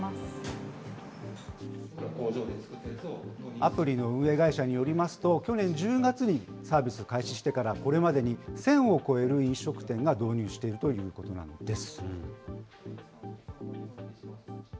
アプリの運営会社によりますと、去年１０月にサービス開始してから、これまでに１０００を超える飲食店が導入しているということなんです。